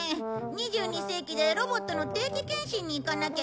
２２世紀でロボットの定期検診に行かなきゃいけないんだ。